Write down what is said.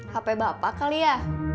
hp bapak kali ya